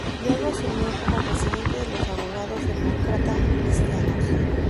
Luego asumió como presidente de los abogados demócrata cristianos.